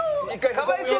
かわいそう！